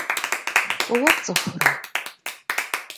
F'ıue pts'ıxure?